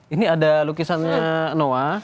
ini ada lukisannya noah